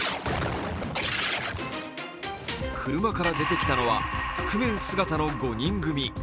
車から出てきたのは覆面姿の５人組。